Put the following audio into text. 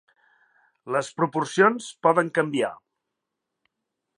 Les proporcions poden canviar.